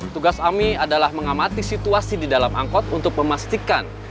tugas ami adalah mengamati situasi di dalam angkot untuk memastikan